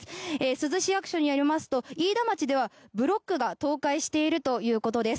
珠洲市役所によりますと飯田町ではブロックが倒壊しているということです。